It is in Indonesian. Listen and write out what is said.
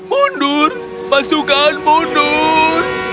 mundur pasukan mundur